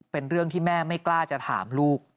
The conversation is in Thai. เป็นเรื่องที่แม่ไม่กล้าจะถามลูก